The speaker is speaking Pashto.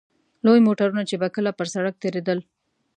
لوی موټرونه چې به کله پر سړک تېرېدل.